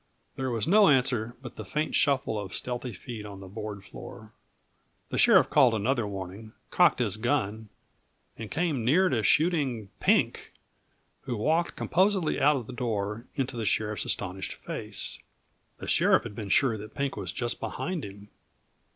There was no answer but the faint shuffle of stealthy feet on the board floor. The sheriff called another warning, cocked his gun and came near shooting Pink, who walked composedly out of the door into the sheriff's astonished face. The sheriff had been sure that Pink was just behind him.